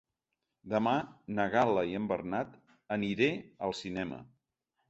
Demà na Gal·la i en Bernat aniré al cinema.